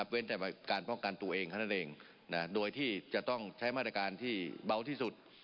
จากการป้องกันตัวเองเท่านั้นเองโดยที่จะต้องใช้มาตรการที่เบาที่สุด